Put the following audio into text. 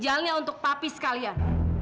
ginjalnya untuk papi sekalian